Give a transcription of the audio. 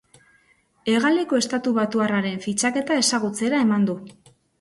Hegaleko estatubatuarraren fitxaketa ezagutzera eman du.